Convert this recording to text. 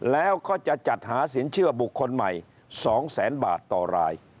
แล้วก็จะจัดหาสินเชื่อบุคคลใหม่๒แสนบาทต่อราย